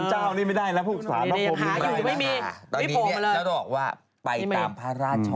ไหนก็ผ้าผมทางไหนไปแก้๑๙๗๔